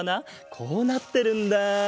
こうなってるんだ。